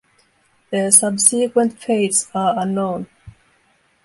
Their subsequent fates are unknown.